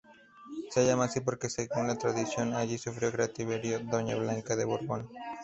Se llama así porque según la tradición allí sufrió cautiverio doña Blanca de Borbón.